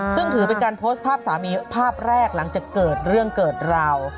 ซึ่งถือเป็นการโพสต์ภาพสามีภาพแรกหลังจากเกิดเรื่องเกิดราว